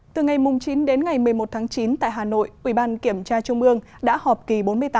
từ ngày chín đến ngày một mươi một tháng chín tại hà nội ủy ban kiểm tra trung ương đã họp kỳ bốn mươi tám